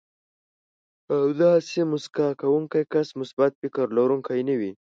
همداسې مسکا کوونکی کس مثبت فکر لرونکی نه وي.